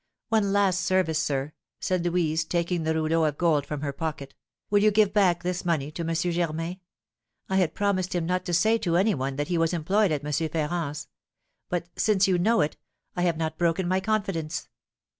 One last service, sir," said Louise, taking the rouleau of gold from her pocket, "will you give back this money to M. Germain; I had promised him not to say to any one that he was employed at M. Ferrand's; but, since you know it, I have not broken my confidence.